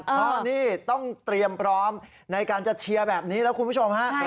เพราะนี่ต้องเตรียมพร้อมในการจะเชียร์แบบนี้แล้วคุณผู้ชมฮะ